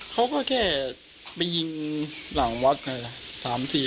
เขาก็แค่ไปยิงหลังวัดไงล่ะ